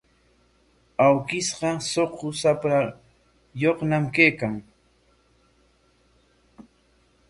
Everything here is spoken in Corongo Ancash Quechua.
Awkishqa suqu shaprayuqñam kaykan.